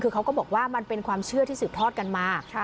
คือเขาก็บอกว่ามันเป็นความเชื่อที่สืบทอดกันมา